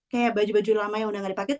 kayak baju baju lama yang udah nggak dipakai